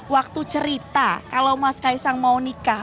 waktu cerita kalau mas kaisang mau nikah